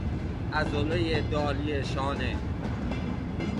عضله دالی شانه